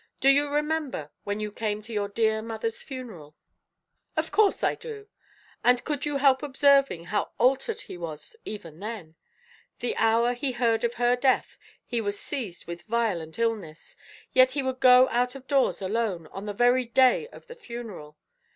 Do you remember when you came to your dear mother's funeral?" "Of course, I do." "And could you help observing how altered he was even then? The hour he heard of her death, he was seized with violent illness, yet he would go out of doors alone, on the very day of the funeral.